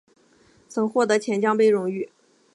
曾获得钱江杯荣誉。